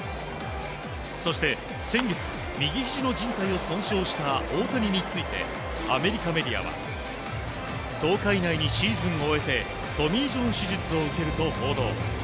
そして、先月右ひじのじん帯を損傷した大谷についてアメリカメディアは１０日以内にシーズンを終えてトミー・ジョン手術を受けると報道。